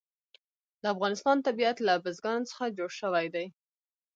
د افغانستان طبیعت له بزګانو څخه جوړ شوی دی.